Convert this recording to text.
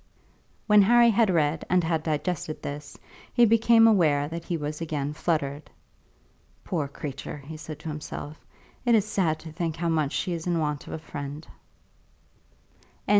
When Harry had read and had digested this, he became aware that he was again fluttered. "Poor creature!" he said to himself; "it is sad to think how much she is in want of a friend."